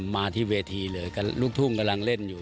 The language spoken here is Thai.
มาที่เวทีเลยก็ลูกทุ่งกำลังเล่นอยู่